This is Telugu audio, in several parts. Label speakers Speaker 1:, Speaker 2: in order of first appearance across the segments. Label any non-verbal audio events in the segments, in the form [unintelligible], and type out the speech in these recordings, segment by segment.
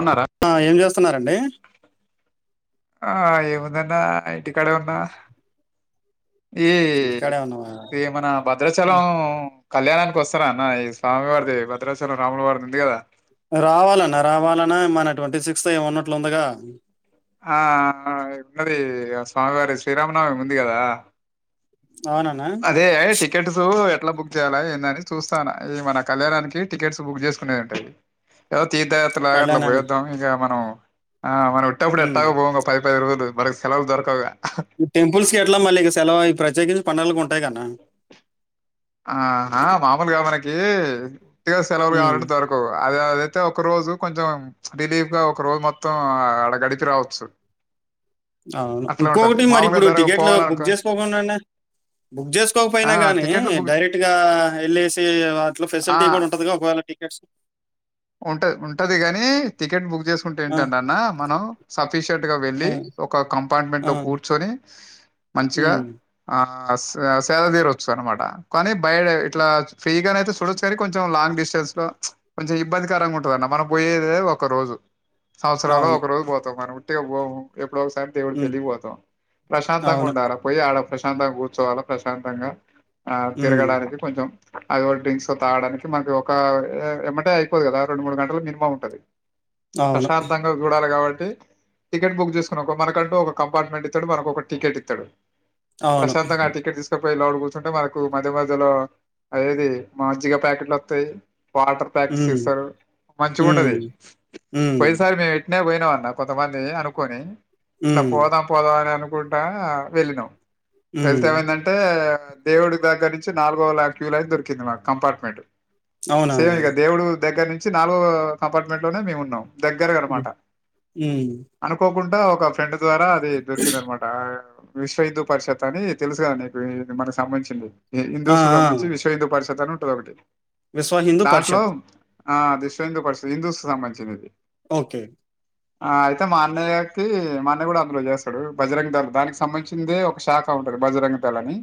Speaker 1: ఉన్నారా
Speaker 2: ఏం చేస్తున్నడి
Speaker 1: ఆ ఏముందన్నా ఇంటి కడే ఉన్నా ఈ
Speaker 2: ఇంటికాడే ఉన్నావా
Speaker 1: ఈ మన భద్రాచలం కళ్యాణానికి వస్తారా అన్న ఈ స్వామివారిది భద్రాచలం రాములవారిది ఉంది కదా
Speaker 2: రావాలన్నా రావాలన్నా మన ట్వంటీ సిక్స్త్ అ ఉన్నట్లు ఉందిగా
Speaker 1: ఆ ఉన్నది స్వామివారి శ్రీరామనవమి ఉంది కదా
Speaker 2: అవునన్నా
Speaker 1: అదే టికెట్ సూ ట్ బుక్ చేయాలా ఏందని చూస్తాను ఈ మన కళ్యాణానికి టికెట్స్ బుక్ చేసుకునేదింటంది తీర్థయాత్ర లాగాఅట్లా
Speaker 2: కళ్యాణాన్ని
Speaker 1: పోయొద్దాం ఇక మనం ఆ మనం ఉట్టప్పుడు
Speaker 2: ఉమ్.
Speaker 1: ఎట్టాగో పోం గ పది పది రోజులు మరి సెలవులు దొరకవుగా
Speaker 2: ఈ టెంపుల్స్ కి ఎట్లా మళ్ళీ ఇక సెలవు ప్రత్యేకించి పనోళ్ళకి ఉంటాయి కదన్న
Speaker 1: ఆ.. హ మామూలుగా మనకి ఉత్తిగ సెలవులు
Speaker 2: ఉమ్,
Speaker 1: కావాలంటే దొరకవు అది అదైతే ఒక రోజు కొంచెం రిలీఫ్ గా ఒక రోజు మొత్తం అడ గడిపి రావచ్చు
Speaker 2: అవును
Speaker 1: అట్లా ఉంటది.
Speaker 2: ఇంకొకటి మరి
Speaker 1: మామూలుగా
Speaker 2: ఇప్పుడు
Speaker 1: దొరక
Speaker 2: టికెట్లు బుక్
Speaker 1: పోవాలనుకో
Speaker 2: చేసుకోకుండా అండి బుక్
Speaker 1: ఆ!
Speaker 2: చేసుకోకపోయినా కానీ
Speaker 1: టికెట్లు బుక్
Speaker 2: డైరెక్ట్ గా ఎల్లేసీ వాటిలో ఫెసిలిటీ కూడా ఉంటది ఒకవేళ ఎ స
Speaker 1: ఉంట ఉంటది కాగానీ టికెట్ బుక్ చేసుకుంటే
Speaker 2: ఆ,
Speaker 1: ఏంటంటన్నా మనం సఫిషియంట్ గా
Speaker 2: ఆ,
Speaker 1: వెళ్ళి ఒక కంపార్ట్మెంట్
Speaker 2: ఆ,
Speaker 1: లో కూర్చొని మంచిగా
Speaker 2: ఉమ్,
Speaker 1: ఆ ఆ సేద తీరొచ్చు అనమాట కానీ బయట ఇట్లా ఫ్రీ గానె అయితే చూడొచ్చు కానీ కొంచెం లాంగ్ డిస్ స్టెంన్స్ లొ మ్చ్ కొంచెం ఇ బ్బందికరంగా ఉంటదన్న మనం పోయేదే ఒక రోజు సంవత్సరంలో
Speaker 2: అవును
Speaker 1: ఒక రోజు పోతాం మనమండి పోము ఎప్పుడో ఒకసారి దేవుడు
Speaker 2: ఉమ్,
Speaker 1: పెళ్ళికి పోతాం ప్రశాంతంగా
Speaker 2: అవును
Speaker 1: ఉండాల పోయ్యి ఆడ ప్రశాంతంగా కూర్చోవాల ప్రశాంతంగా ఆ
Speaker 2: ఉమ్,
Speaker 1: తిరగడానికి కొంచెం అది కూడా డ్రింక్స్ తాగడానికి మనకి ఒక ఎమ్మటే అయిపోదు కదా రెండు మూడు గంటలు మినిమం ఉంటది
Speaker 2: అవును
Speaker 1: ప్రశాంతంగా చూడాల కాబట్టి టికెట్ బుక్ చేసుకున్నవనుకో మనకంటూ ఒక కంపార్ట్మెంట్ ఇత్తడు మనకు ఒక టికెట్ ఇత్తడు
Speaker 2: అవును
Speaker 1: ప్రశాంతంగా ఆ టికెట్ తీసుకొని పొయ్యి లోపల కూర్చుంటే మనకు మధ్య మధ్యలో అదేది మజ్జిగ ప్యాకెట్లు వత్తయి వాటర్ ప్యాకెట్స్
Speaker 2: ఉమ్,
Speaker 1: ఇస్తారు మంచిగా
Speaker 2: ఉమ్,
Speaker 1: ఉంటది
Speaker 2: ఉమ్,
Speaker 1: పోయినసారి మేం అట్నే పోయినాంఅన్న కొంతమంది అనుకొని ఇట్లా
Speaker 2: ఉమ్.
Speaker 1: పోదాం పోదాం అని అను అనుకుంటా వెళ్ళినాం వెళ్తె
Speaker 2: హ్మ్.
Speaker 1: ఏమైందంటే దేవుడి దగ్గర నుంచి నాలుగోల క్యూ లైన్ దొరికింది మా కంపార్ట్మెంట్
Speaker 2: అవునా!
Speaker 1: సేమ్ ఇక దేవుడు దగ్గర నుంచి నాలుగో కంపార్ట్మెంట్ లోనే మేము ఉన్నాం దగ్గర
Speaker 2: హ్మ్.
Speaker 1: అనమాట
Speaker 2: హ్మ్.
Speaker 1: అనుకో అనుకోకుండా ఒక ఫ్రెండ్ ద్వారా అది దొరికింద అనమాట విశ్వహిందూ పరిషత్ అని తెలుసు గా నీకు ఇది మనకి సంబంధించింది
Speaker 2: ఆ!
Speaker 1: హిందూస్ కి
Speaker 2: ఆ!
Speaker 1: సంబధించి విశ్వహిందూ పరిషత్ అని ఉంటది ఒకటి
Speaker 2: విశ్వ హిందూ
Speaker 1: దాంట్లో
Speaker 2: పరిషత్
Speaker 1: ఆ అది విశ్వహిందు పరిషత్ హిందూస్ కి సంబంధించిన దది
Speaker 2: ఓకే
Speaker 1: ఆ అయితే మా అన్నయ్యకి మా అన్నయ్య కూడా అందులో చేస్తాడు బజరంగదళ్ దానికి సంబంధించిందే ఒక శాఖ బజరంగదళ్ అని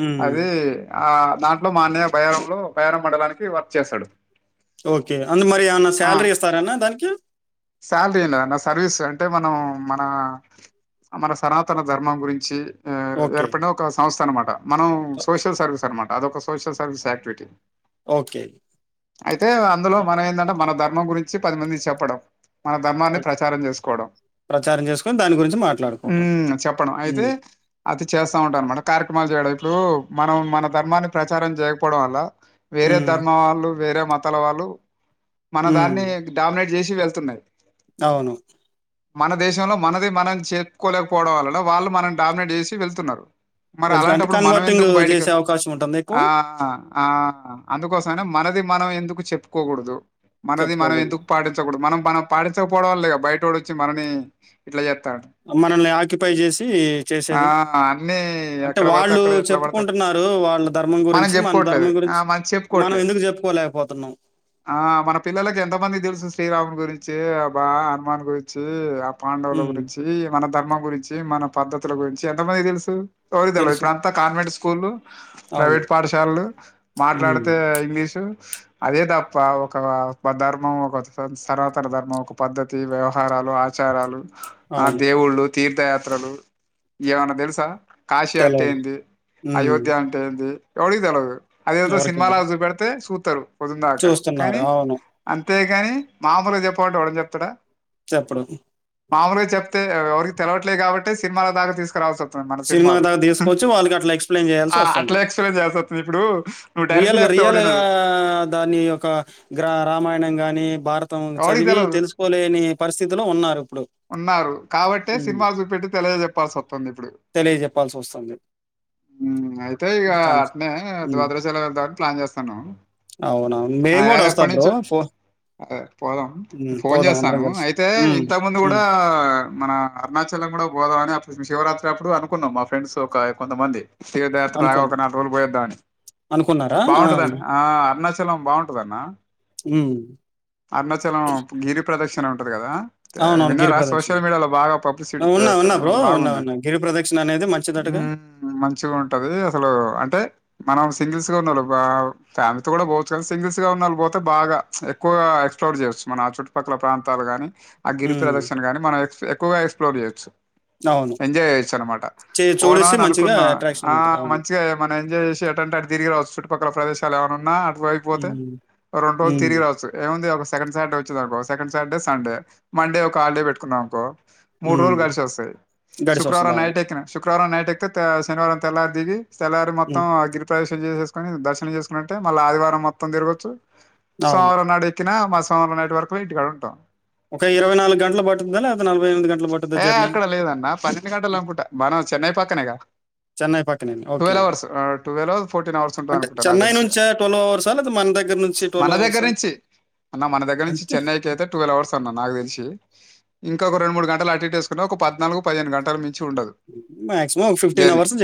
Speaker 2: హ్మ్.
Speaker 1: అది ఆ దాంట్లో మా అన్నయ్య బయారంలో బయారం మండలానికి వర్క్ చేశాడు
Speaker 2: ఓకే అందు మరి ఏమన్నా శాలరీ ఇస్తారాన్న దానికి
Speaker 1: శాలరీనా అన్న సర్వీస్ అంటే మనం మన మన సనాతన ధర్మం గురించి
Speaker 2: ఓకే.
Speaker 1: ఏర్పడిన ఒక సంస్థ అనమాట మనం
Speaker 2: ఓ
Speaker 1: సోషల్ సర్వీస్ అనమాట అదొక సోషల్ సర్వీస్ యాక్టివిటీ
Speaker 2: ఓకే
Speaker 1: అయితే అందులో మనం ఏంటంటే మన ధర్మం గురించి పది మందిని చెప్పడం మన ధర్మాన్ని
Speaker 2: ఓకే.
Speaker 1: ప్రచారం చేసుకోవడం
Speaker 2: ప్రచారం చేసుకొని దాని గురించి మాట్లాడుకోవటం.
Speaker 1: మ్... చెప్పడం అయితే
Speaker 2: హ్మ్.
Speaker 1: అది చేస్తా ఉంటా అనమాట కార్యక్రమాలు చేయడం ఇప్పుడు మనం మన ధర్మాన్ని ప్రచారం చేయకపోవడం వల్ల వేరే
Speaker 2: హ్మ్.
Speaker 1: ధర్మం వాళ్ళు వేరే మతాల వాళ్ళు మన
Speaker 2: హ్మ్.
Speaker 1: దాన్ని డామినేట్ చేసి వెళ్తున్నాయి
Speaker 2: అవును
Speaker 1: మన దేశంలో మనది మనం చేప్పుకోలేకపోవడం వలన వాళ్ళు మనని డామినేట్ చేసి వెళ్తున్నారు మరి
Speaker 2: వెళ్తా అంటే
Speaker 1: అలాంటప్పుడు మనం
Speaker 2: కన్వర్టింగ్
Speaker 1: ఎందుకు
Speaker 2: చేసే
Speaker 1: బయటికిదు
Speaker 2: అవకాశం ఉంటుందా ఎక్కువ?
Speaker 1: ఆ ఆ అందుకోసమనా మనది మనం ఎందుకు చెప్పుకోకూడదు మనది మనం
Speaker 2: చెప్పుకోకూడదు.
Speaker 1: ఎందుకు పాటించకూడదు మనం మనం పాడించకపోవడం [unintelligible] బయటోడు వచ్చి మనని ఇట్లా జేత్తాండు.
Speaker 2: మనల్ని ఆక్యుపై చేసి
Speaker 1: ఆ!
Speaker 2: చేసేది
Speaker 1: అన్నీ
Speaker 2: అంటే
Speaker 1: ఎక్కడ పడితే
Speaker 2: వాళ్ళు
Speaker 1: అక్కడ ఎట్లా పడితే
Speaker 2: చెప్పుకుంటున్న నారు వాళ్ళ ధర్మం
Speaker 1: మనం
Speaker 2: గురించి మన
Speaker 1: చెప్పుకోవట్లేదు.
Speaker 2: ధర్మం
Speaker 1: ఆ!
Speaker 2: గురించి
Speaker 1: మనకు
Speaker 2: మనం
Speaker 1: చెప్పుకోవట్లేదు.
Speaker 2: ఎందుకు చెప్పుకోలే
Speaker 1: ఆ మన పిల్లలకి ఎంత మంది తెలుసు శ్రీరామ్ గురించి ఆ బా హనుమాన్ గురించి ఆ పాండవుల
Speaker 2: హ్మ్.
Speaker 1: గురించి మన ధర్మం గురించి మన పద్ధతుల గురించి ఎంతమంది తెలుసు ఎవరి తెల
Speaker 2: తెలుసు.
Speaker 1: ఇప్పుడంతా కాన్వెంట్ స్కూల్లు
Speaker 2: అవును.
Speaker 1: ప్రైవేట్ పాఠశాలలు
Speaker 2: హ్మ్.
Speaker 1: మాట్లాడితే ఇంగ్లీషు అదే తప్ప ఒక ధర్మం ఒక సనాతన ధర్మం ఒక పద్ధతి వ్యవహార ఆచారాలు ఆ
Speaker 2: అవును.
Speaker 1: దేవుళ్ళు తీర్థయాత్రలు [unintelligible] ఏమన్నా తెలుసా కాశీ అంటే
Speaker 2: తెలవదు
Speaker 1: ఏంది
Speaker 2: ఉమ్
Speaker 1: అయోధ్య అంటే ఏంది ఎవడి కి తెల్వదు అదేదో సినిమాల
Speaker 2: ఎవరికిద్దరు
Speaker 1: చూపెడితే చూతరు పొందుందాక
Speaker 2: చూస్తున్నారు
Speaker 1: కానీ
Speaker 2: అవును
Speaker 1: అం తే గాని మామూలుగా చెప్పమంటే ఇవ్వడన్న చెప్తాడ
Speaker 2: చెప్పడు
Speaker 1: మామూలుగా చెప్తే ఎవరికి తెలవట్లేదు కాబట్టి సినిమాాల దాక తీసుకురావాల్ [unintelligible] మన
Speaker 2: సినిమా
Speaker 1: సినిమాలు
Speaker 2: దాకా తీసుకొచ్చి వాళ్ళకి అట్లా ఎక్స్ప్లెయిన్ చేయాల్సి వస్తుంది
Speaker 1: అట్లా ఎక్స్ప్లెన్ చేస్తంది ఇప్పుడు నువ్వు డైరెక్ట్ చె
Speaker 2: రియల్ గా దాని ఒక రామాయణం గాని భార మం
Speaker 1: ఎవడికి
Speaker 2: చదివి
Speaker 1: తెలవదు
Speaker 2: తెలుసుకోలేని పరిస్థితిలో ఉన్నారు ఇప్పుడు
Speaker 1: ఉన్నారు కాబట్టే
Speaker 2: ఉమ్
Speaker 1: సినిమా చూపెట్టి తెలియజెప్పాల్సి వస్తది ఇప్పుడు
Speaker 2: తెలియజెప్పాల్సి వస్తుంది
Speaker 1: అయితే ఇగ
Speaker 2: దానికి
Speaker 1: అట్నే [unintelligible] వెళ్దామని ప్లాన్ చేస్తా [unintelligible]
Speaker 2: అవున మేం కూడ వస్తా బ్రో పో
Speaker 1: అదే పోదాం
Speaker 2: ఉమ్
Speaker 1: ఫోన్
Speaker 2: పోదాం అందరం
Speaker 1: చేస్తాను
Speaker 2: కలిసి
Speaker 1: అయితే
Speaker 2: ఉమ్
Speaker 1: ఇంత ముందు కూడ
Speaker 2: ఉమ్
Speaker 1: మన అరుణాచలం కూడ పోదాం అని శివరాత్రి అప్పుడు అనుకున్నాం మా ఫ్రెండ్స్ ఒక కొంతమంది తీర్థయాత్ర
Speaker 2: అనుకున్నాం
Speaker 1: ఒక నాలు రోజులు పోయద్దామని బాగుంటద ఆ అరుణాచలం బాగుంటదన్న
Speaker 2: ఉమ్
Speaker 1: అరుణాచలం గిరి ప్రదక్షణ ఉంటది కదా
Speaker 2: అవునవును గిరి
Speaker 1: విన్నారా
Speaker 2: ప్రదక్షిణ
Speaker 1: సోషల్ మీడియాలో బాగా పబ్లిసిటీ
Speaker 2: ఉన్నా ఉన్నా బ్రో ఉన్నా
Speaker 1: బాగుంది
Speaker 2: ఉన్నా గిరి ప్రదక్షిణ అనేది
Speaker 1: ఉ
Speaker 2: మంచిదటగా
Speaker 1: మంచిగా ఉంటది అసలు అంటే మనం సింగిల్స్ గా ఉన్నా ఫ్యామిలీ కూడ పోవచ్చు కానీ సింగిల్స్ గా ఉన్నా పోతే బాగా ఎక్కువ ఎక్స్ప్లోర్ చేయచ్చు మన ఆ చుట్టుపక్కల ప్రాంతాలు గాని ఆ గిరి
Speaker 2: ఉమ్
Speaker 1: ప్రదర్శన గాని మనం ఎక్క్కుగా ఎక్స్ప్లోర్ చేయొచ్చు
Speaker 2: అవును
Speaker 1: ఎంజాయ్ చేయొచ్చు అనమాట
Speaker 2: చే చూడేసి
Speaker 1: పోదామని
Speaker 2: మంచిగా
Speaker 1: అనుకున్నా
Speaker 2: అట్రాక్షన్
Speaker 1: ఆ
Speaker 2: ఉంటది. అవును.
Speaker 1: మంచిగా మనం ఎంజాయ్ చేసి ఏటంటే అ తిరిగి రావచ్చు చుట్టు పక్కల ప్రదేశాలు ఏమైన్నా ఉన్న అటు వైపు పోతే
Speaker 2: హ్మ్.
Speaker 1: రెండు రోజులు
Speaker 2: హ్మ్.
Speaker 1: తిరిగి రావచ్చు ఏముంది సెకండ్ సాటర్డే వచ్చిందనుకో సెకండ్ సాటర్డే సండే మండే ఒక హాలిడే పెట్టుకున్నాం అనుకో మూడు రోజులు
Speaker 2: హ్మ్.
Speaker 1: [unintelligible] వస్తాయి
Speaker 2: గడిసొస్తది.
Speaker 1: శుక్రవారం నై
Speaker 2: అవును.
Speaker 1: ఎక్కిన శుక్రవారం నైట్ అయితే శనివారం తెల్లారి దిగి తెల్లరీ మొత్తం
Speaker 2: హ్మ్.
Speaker 1: ఆ గిరి ప్రవేశం చేసేసు దర్శనం చేసుకున్నంటే మళ్ళీ ఆదివారం మొత్తం తిరగొచ్చు
Speaker 2: అవును.
Speaker 1: సోమవారం నాడు ఎక్కిన మల సోమవారం నైట్ వరకు ఇంటికాడ ఉంట
Speaker 2: ఒక గంటలు పట్టుద్దా? లేకపోతే గంటలు పట్టుద్దా
Speaker 1: ఏ
Speaker 2: జర్నీ?
Speaker 1: అక్కడ లేదన్న పన్నెండు గంటలు అనుకుంటా మనం చెన్నై పక్కపక్కనేగా
Speaker 2: చెన్నై పక్కనడి ఓకే
Speaker 1: ట్వెల్వ్ ఫోర్టీన్ అవర్స్ ఉంటది
Speaker 2: అంటే
Speaker 1: అనుకుంటా నాకు
Speaker 2: చెన్నై
Speaker 1: తెలిసి
Speaker 2: నుంచ ట్వల్వ్ అవర్స్ [unintelligible] దగ్గర నుంచి
Speaker 1: మన
Speaker 2: ట్వెల్వ్ అవర్స
Speaker 1: దగ్గర నుంచి అన్న మన దగ్గ నుంచి చెన్నైకి అయితే టువల్ అవర్స్ నాకు తెలిసి ఇంక ఒక రెండు మూడు గంటలు అటు ఇటు ఏసుకున్నా ఒక పద్నాలుగు పదిహేను గంటలు ఉండదు
Speaker 2: మాక్సిమం ఒక
Speaker 1: జర్నీ
Speaker 2: అవర్స్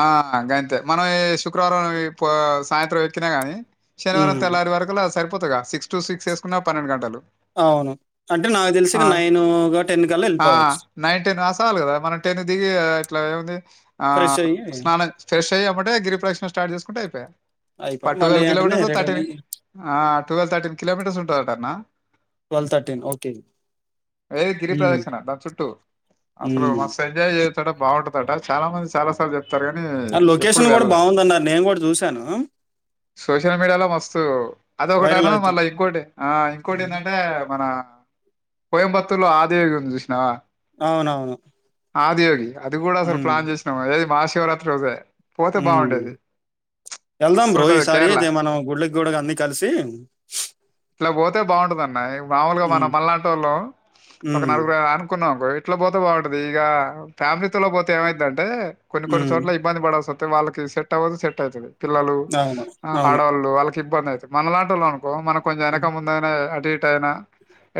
Speaker 1: ఆంతే మనం ఈ శుక్రవారం సాయంత్రం ఎక్కినా గాని శనివారం
Speaker 2: హ్మ్.
Speaker 1: తెల్లరు వరకు అ సరిపోతుందిగా సిక్స్ సిక్స్ టు సిక్స్ ఎసుకున్నా పన్నెండు గంటలు
Speaker 2: అవును. అంటే నాకు తెలిసి
Speaker 1: అ
Speaker 2: ఇక కల్లా
Speaker 1: ఆ
Speaker 2: ఎళ్ళిపోవచ్చు.
Speaker 1: నైన్ టెన్ ఆసాలు కదా మనం టెన్ దిగి ఆ ఇట్లా ఏముంది ఆ
Speaker 2: ఫ్రెష్ అయ్యి
Speaker 1: స్నానం ఫ్రెష్ అయ్యమంటే గిరిపేక్షణ స్టార్ట్ చేసుకుంటే అయిపయ ప
Speaker 2: అయిపోయి మళ్ళీ
Speaker 1: టువెల్
Speaker 2: వెంటనే
Speaker 1: కిలోమీటర్స్
Speaker 2: రిటర్న్
Speaker 1: థర్టీన్ ఆ ట్వల్వ్ థర్టీన్ కిలోమీటర్స్ ఉంటదట అన్న
Speaker 2: ట్వల్వ్ తర్టీన్ ఓకే
Speaker 1: ఏది గిరి
Speaker 2: హ్మ్.
Speaker 1: ప్ర్రదక్షిణ దా చుట్టూ అసలు
Speaker 2: హ్మ్.
Speaker 1: మస్తు ఎంజాయ్ చేయచట బాగుంటదట చాలా మంది చాలా సార్లు చెప్తారు కానీ ఎప్పుడు
Speaker 2: లొకేషన్ గూడా
Speaker 1: వెళ్ళలే
Speaker 2: బావుందన్నారు. నేను గూడా ఆ చూసాను.
Speaker 1: సోషల్ మీడియాలో మస్తు
Speaker 2: వైరల్
Speaker 1: అదొకటను
Speaker 2: అవుతుంది
Speaker 1: మళ్ళా ఇంకోటి ఆ ఇంకోటి ఏందంటే మన కోయంబత్తూర్లో ఆదియోగి వుంది చూసినవా
Speaker 2: అవునవును
Speaker 1: ఆదియోగి అది కూడా అసలు
Speaker 2: ఉమ్
Speaker 1: ప్లాన్ చేసినాము ఏది మహాశివరాత్రి రోజే పోతే
Speaker 2: ఉమ్
Speaker 1: బాగుండేది
Speaker 2: వెళ్దాం బ్రో
Speaker 1: మస్తుంటది
Speaker 2: ఈసారి
Speaker 1: కేరళ
Speaker 2: అయితే మనం గుడ్లకి గుడ అన్ని కలిసి
Speaker 1: ఇట్ల పోతే బాగుంటదనాయ్ మామూలుగా మనం
Speaker 2: ఉమ్
Speaker 1: మల్నాటోలు ఒక
Speaker 2: ఉమ్
Speaker 1: నలుగురు ఐ అనుకున్న బొ ఇట్ల పోతే బాగుంటది ఇక ఫ్యామిలీతో పోతే ఏమైందంటే కొన్ని కొన్ని
Speaker 2: ఉమ్
Speaker 1: చోట్ల ఇబ్బంది పడాల్స్ తే వాళ్ళకి సెట్ అవ్వద్దు సెట్ ఐతది పిల్లలు
Speaker 2: అవును అవును
Speaker 1: ఆడవాళ్ళు వాళ్ళకి ఇబ్బంది ఐతది మనలాంటోళ్లు అను బ్రో మనం కొంచెం వెనక
Speaker 2: ఉమ్
Speaker 1: ముందయినా అటీటయినా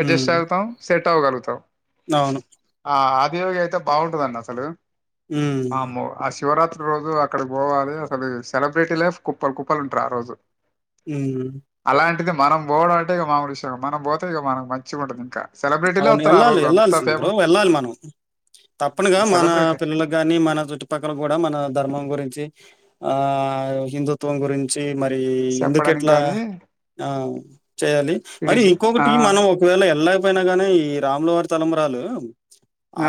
Speaker 1: అడ్జస్ట్ అవుతాం సెట్ అవ్వగలుగుతాం
Speaker 2: అవును
Speaker 1: ఆ ఆదియోగి అయితే బాగుంటందన్న అసలు
Speaker 2: ఉమ్
Speaker 1: వామ్మో ఆ సీ శివరాత్రి రోజు అక్కడికి పోవాలి అసలు సెలబ్రిటీలే కుప్పలు కుప్పలు ఉంటరు ఆ రోజు
Speaker 2: ఊ
Speaker 1: ఇది మనం పోవడం అంటే ఇగ మామూష మనం పోతే ఇక మనకు మంచిగుంటది ఇంకా సెలబ్రిటీలే
Speaker 2: అవును
Speaker 1: వత్తరు ఆ
Speaker 2: ఎల్లలి
Speaker 1: రోజు అంత
Speaker 2: ఎల్లల్సింది బ్రో
Speaker 1: ఫేమస్
Speaker 2: ఎల్లాలి మనం తప్పనుగా మన
Speaker 1: సెలబ్రిటీ
Speaker 2: పిల్లలకు గాని మన చుట్టుపక్కల కూడా మన ధర్మం గురించి ఆ హిందుత్వం గురించి మరి
Speaker 1: చెప్పడానికి
Speaker 2: ఎందుకెట్లా
Speaker 1: గాని
Speaker 2: ఆ చేయాలి మరి
Speaker 1: ఇడిజి ఆ!
Speaker 2: ఇంకొకటి మనం ఒకవేళ ఎల్లా గానే ఈ రాములవారి తలంబ్రాలు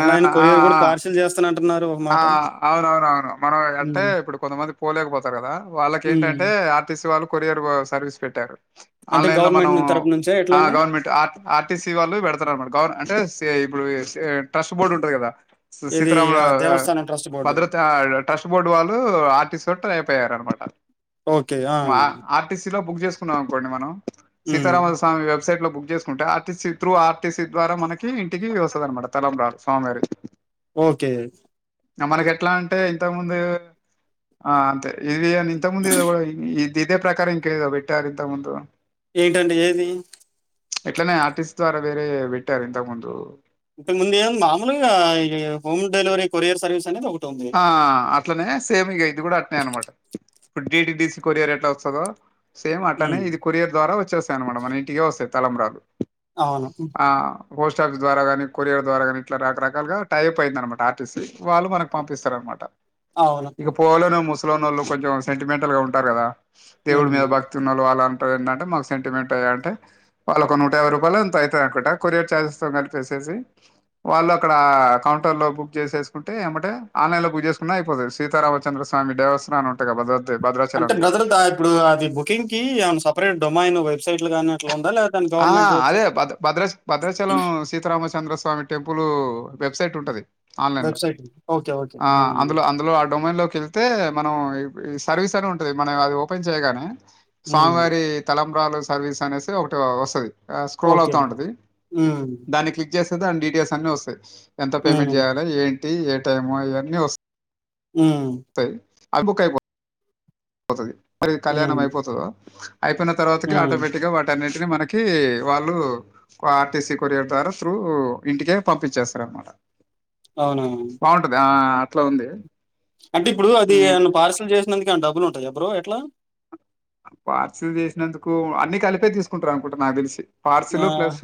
Speaker 1: ఆ! ఆ!
Speaker 2: కొరియర్ కూడా
Speaker 1: ఆ!
Speaker 2: పార్సిల్ చేస్తున్నారు
Speaker 1: ఆ అవునవున అవును మనం అంటే
Speaker 2: హ్మ్.
Speaker 1: ఇప్పుడు కొంతమంది పోలేకపోతారు కదా వాళ్ళకి
Speaker 2: హ్మ్.
Speaker 1: ఏంటంటే ఆర్టీసీ వాళ్ళు కొరియర్ సర్వీస్ పెట్టారు
Speaker 2: అంటే
Speaker 1: ఆన్లైల
Speaker 2: గవర్నమెంట్
Speaker 1: మనము
Speaker 2: ను తరపు నుంచా
Speaker 1: ఆ
Speaker 2: ఎట్లండి?
Speaker 1: గవర్నమెంట్ ఆ ఆర్టీసీ వాళ్ళు పెడతారు అన్నమాట గవర్న అంటే సే ఇప్పుడు ఈ ఏ ట్రస్ట్ బోర్డు ఉంటది కదా సీ
Speaker 2: ఇది
Speaker 1: సీతారాముల ఆ
Speaker 2: దేవస్థానం ట్రస్ట్ బోర్డు.
Speaker 1: భద్రత ట్రస్ట్ బోర్డు వాళ్ళు ఆర్టీతోటి ట్రై అయిపోయారు అనమాట
Speaker 2: ఓకే. ఆ!
Speaker 1: వా ఆర్టీసీ లో బుక్ చేసుకున్నాం అనుకోండి మనం
Speaker 2: హ్మ్.
Speaker 1: సీతారామ స్వామి వార్ బ్సైట్ లో బుక్ చేసుకుంటే ఆర్టీసీ త్రూ ఆర్టీసీ ద్వారా మనకి ఇంటికి వస్తుంది అనమాట తెలంబ్రాలు స్వామివారివి
Speaker 2: ఓకే
Speaker 1: మనకి ఎట్లా అంటే ఇంత ముందు ఆ అంతే ఇది అ ఇంత ముందు ఇది కూడా ఇ ఇదే ప్రకారం ఇంకెదో బెట్టారు ఇంతకు ముందు
Speaker 2: ఏంటండి ఏది
Speaker 1: ఇట్లనే ఆర్టిస్ట్ ద్వారా వేరే పెట్టారు ఇంతకు ముందు
Speaker 2: ఇక ముందెం మామూలుగా ఈ హోమ్ డెలివరీ కొరియర్ సర్వీస్ అనేది ఒక
Speaker 1: ఆ అట్లనే సేమ్ ఇగ ఇది కూడా అట్నే అనమాట ఇప్పుడు డిటిడిసి కొరియర్ ఎట్లా వస్తదో సేమ్ అట్లనే
Speaker 2: హ్మ్.
Speaker 1: ఇది కొరియర్ ద్వారా వచ్చేస్తాయనమాట మన ఇంటికి వస్తయ్ తలంబ్రాలు
Speaker 2: అవును ఉ
Speaker 1: ట్రక్ ద్వారా కానీ కొరిర్ ద్వారా కాని ఇట్లా రరకాలుగా టైయప్ అయిందనమాట ఆర్టీసీ వాల్ మనక్ పంపిస్తారు అనమాట
Speaker 2: అవును.
Speaker 1: ఇక పోవలేనోళ్లు ముసలోనోళ్ళు కొంచెం సెంటిమెంటల్ గా ఉంటారు కదా దేవుడు
Speaker 2: హ్మ్.
Speaker 1: మీద భక్తి ఉన్నోళ్లు వాల్ అను ఏందంటే మాకు సెంటిమెంట్ అయ్య అంటే వాళ్ళ ఒక నూటయాబై రూపాయలో ఎంతో ఐతది అనుకుంటా కొరియర్ చార్జెస్ తో కలిపేసీ సీ వాళ్ళు అక్కడ కౌంటర్ లో బుక్ చేసేసుకుంటే ఎమ్మటే ఆన్లైన్ ల బుక్ చేసుకున్నా అయిపోతది సీతారామచంద్ర స్వామి డైవర్సన అని ఉంటది కదా భద్ర
Speaker 2: అంటే బ్రదర్ ద ఇప్పుడు అది బుకింగ్ కి ఏమైన సపరేట్ డొమైన్ వెబ్సైట్లు గాని అట్లా ఉన్
Speaker 1: ఆ అదే భద భద్రా భద్రాచలం సీతారామచంద్రస్వామి టెంపుల్ వెబ్సైట్ ఉంట
Speaker 2: వెబ్సైట్
Speaker 1: ఆ అందులో అందులో ఆ డొమైన్ లో కెళ్తే మనం ఈ సర్వీస్ అని ఉంటుంది మనం అది ఓపెన్ చేయగానే
Speaker 2: హ్మ్.
Speaker 1: స్వామివారి తలంబరాలు సర్వీస్ అనేసి ఒకటి వస్తది స్క్రోల్
Speaker 2: ఓకే.
Speaker 1: అవుతా ఉంటది
Speaker 2: హ్మ్.
Speaker 1: దాన్ని క్లిక్ చేసి అడ్ డీటెయిల్స్ అన్ని వస్తాయి ఎంత పేమెంట్
Speaker 2: హ్మ్.
Speaker 1: చేయల ఏంటి ఏ టైం ఇవన్నీ వస్తాయి
Speaker 2: ఆ
Speaker 1: అవి బుక్ అయిపో పోతది మరి కళ్యాణం
Speaker 2: హ్మ్.
Speaker 1: అయిపోతుందో అయిపోయిన తర్వాతకి
Speaker 2: హ్మ్.
Speaker 1: ఆటోమేటిక్ గా వాటినే టిని మనకి వాళ్ళు ఆర్టీసీ కొరియర్ ద్వారా త్రూ ఇంటికే పంపించేస్తారు అనమాట
Speaker 2: అవునవును.
Speaker 1: బాగుంటది ఆ అట్లా ఉంది
Speaker 2: అంటే ఇప్పుడు అది
Speaker 1: హ్మ్.
Speaker 2: నన్ను పార్సల్ చేసినందుక ఆ డబ్బులు ఉంటాయా బ్రో ఎట్లా
Speaker 1: పార్సల్ చేసినందుకు అన్ని కలిపే తీసుకుంటారు అనుకుంట నాకు తెలిసి పార్సుల్
Speaker 2: ఆహ్,
Speaker 1: ప్లస్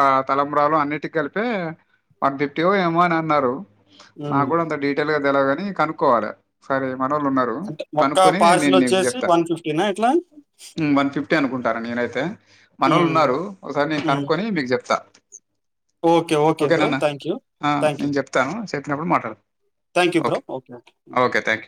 Speaker 1: ఆ తలంబరాలు అన్నిటి కలిపే వన్ ఫిఫ్టీ ఏమో అని అన్నారు నాకు
Speaker 2: హ్మ్.
Speaker 1: కూడా అంత డీటెయిల్ గా తెలవదు గాని కనుక్కోవాలి సరే మనోళ్ళు ఉన్నారు కనుక్కొని నేను నీకు చెప్తా
Speaker 2: ఏనా ఎట్లా
Speaker 1: వన్ ఫిఫ్టీ అనుకుంటారా నేనైతే మన వాళ్ళు
Speaker 2: హ్మ్.
Speaker 1: ఉన్నారు ఒకసారి నేను
Speaker 2: హ్మ్.
Speaker 1: కనుక్కొని మీకు చెప్తా చెప్తా ఓకే
Speaker 2: బ్రో.
Speaker 1: నన్న
Speaker 2: థాంక్ యూ.
Speaker 1: నేను చెప్తాను చెప్పినప్పుడు మాట్లాడు
Speaker 2: thank you bro
Speaker 1: thank you.